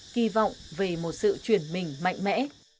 kỳ vọng về một sự chuyển mình mạnh mẽ